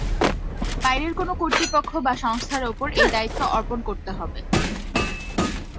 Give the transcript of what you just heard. বাইরের কোনো কর্তৃপক্ষ বা সংস্থার ওপর এই দায়িত্ব অর্পণ করতে হবে।